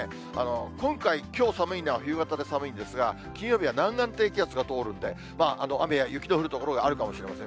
今回、きょう寒いのは冬型で寒いんですが、金曜日は南岸低気圧が通るんで、雨や雪の降る所があるかもしれません。